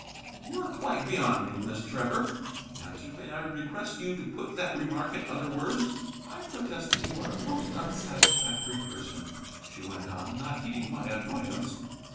"You are quite beyond me, Miss Trevor," I answered; "may I request you to put that remark in other words?" "I protest that you are a most unsatisfactory person," she went on, not heeding my annoyance.